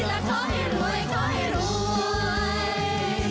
และขอให้รวยขอให้รวย